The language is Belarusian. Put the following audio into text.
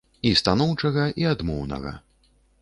І станоўчага, і адмоўнага.